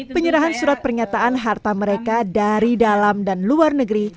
penyerahan surat pernyataan harta mereka dari dalam dan luar negeri